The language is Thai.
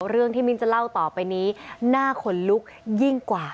เรื่องที่มิ้นจะเล่าต่อไปนี้น่าขนลุกยิ่งกว่า